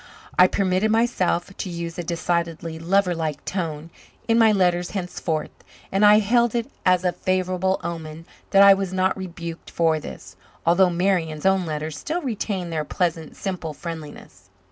I permitted myself to use a decidedly lover like tone in my letters henceforth, and I hailed it as a favourable omen that I was not rebuked for this, although Marian's own letters still retained their pleasant, simple friendliness.